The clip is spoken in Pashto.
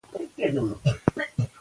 اغېزناک او اغېزمن بېلابېلې ماناوې لري.